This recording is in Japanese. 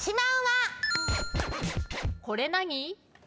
これ何？